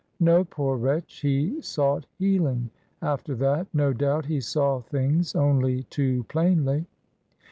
"No — poor wretch, he sought healing. After that, no doubt, he saw things only too plainly."